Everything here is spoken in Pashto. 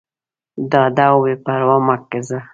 ډاډه او بېپروا مه ګرځه.